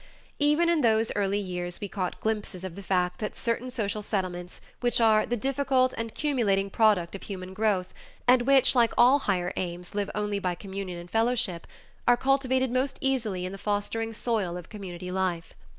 Even in those early years we caught glimpses of the fact that certain social sentiments, which are "the difficult and cumulating product of human growth" and which like all higher aims live only by communion and fellowship, are cultivated most easily in the fostering soil of a community life.